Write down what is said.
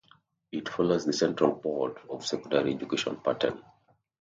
It follows the Central Board of Secondary Education pattern.